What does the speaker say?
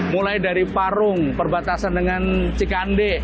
mulai dari parung perbatasan dengan cikande